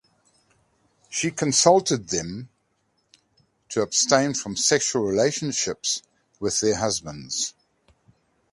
She counseled them to abstain from sexual relationships with their husbands.